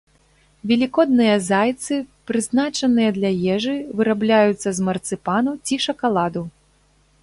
Велікодныя зайцы, прызначаныя для ежы, вырабляюцца з марцыпану ці шакаладу.